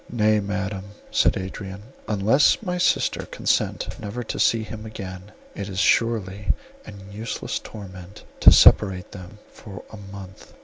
"Nay, Madam," said Adrian, "unless my sister consent never to see him again, it is surely an useless torment to separate them for a month."